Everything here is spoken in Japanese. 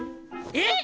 えっ！？